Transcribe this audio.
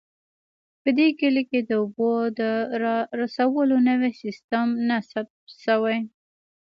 په دې کلي کې د اوبو د رارسولو نوی سیستم نصب شوی